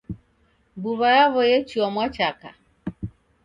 Mbuw'a yaw'o yechua mwachaka.